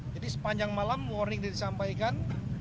jadi sepanjang malam warning disampaikan